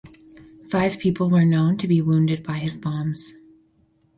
Five people were known to be wounded by his bombs.